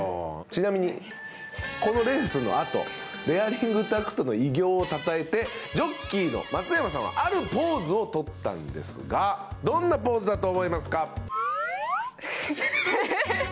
ちなみにこのレースのあとデアリングタクトの偉業をたたえてジョッキーの松山さんはあるポーズを取ったんですがどんなポーズだと思いますか？